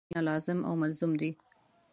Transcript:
مادر تریسیا وایي بښنه او مینه لازم او ملزوم دي.